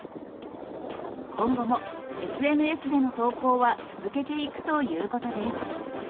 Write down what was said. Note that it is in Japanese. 今後もＳＮＳでの投稿は続けていくということです。